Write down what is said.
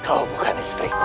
kau bukan istriku tia